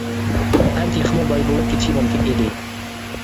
ھەم تېخىمۇ باي بولۇپ كېتىشى مۇمكىن ئىدى.